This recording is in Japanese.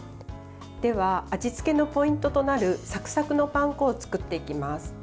では、味付けのポイントとなるサクサクのパン粉を作っていきます。